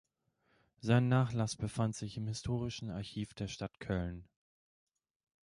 Sein Nachlass befand sich im Historischen Archiv der Stadt Köln.